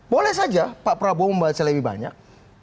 boleh saja pak prabowo membaca lebih banyak